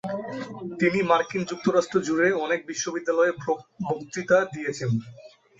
তিনি মার্কিন যুক্তরাষ্ট্র জুড়ে অনেক বিশ্ববিদ্যালয়ে বক্তৃতা দিয়েছেন।